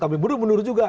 kami buru buru juga